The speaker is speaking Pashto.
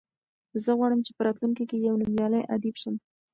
زه غواړم چې په راتلونکي کې یو نومیالی ادیب شم.